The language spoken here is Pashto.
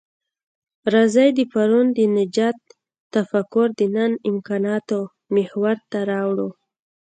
راځئ د پرون د نجات تفکر د نن امکاناتو محور ته راوړوو.